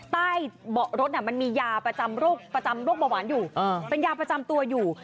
ใต้เบาะรถมันมียาประจำโรคเบาหวานอยู่เป็นยาประจำตัวอยู่